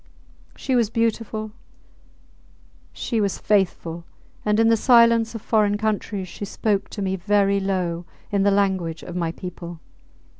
She was beautiful, she was faithful, and in the silence of foreign countries she spoke to me very low in the language of my people.